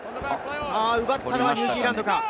奪ったのはニュージーランドか。